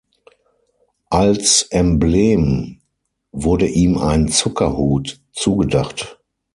Als Emblem wurde ihm ein Zuckerhut zugedacht.